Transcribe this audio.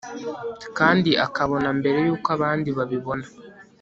kandi akabona mbere yuko abandi babibona